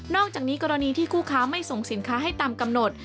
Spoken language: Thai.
อกจากนี้กรณีที่คู่ค้าไม่ส่งสินค้าให้ตามกำหนด